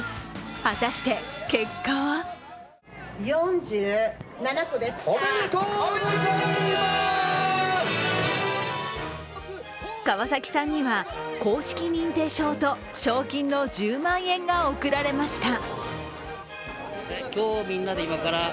果たして結果は川崎さんには公式認定証と賞金１０万円が贈られました。